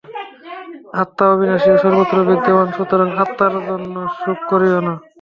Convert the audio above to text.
আত্মা অবিনাশী ও সর্বত্র বিদ্যমান, সুতরাং আত্মার জন্য শোক করিও না।